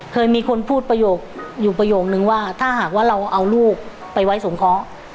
เคยมีคนพูดประโยคอยู่ประโยคนึงว่าถ้าหากว่าเราเอาลูกไปไว้สงเคราะห์